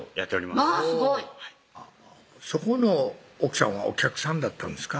まぁすごいそこの奥さんはお客さんだったんですか？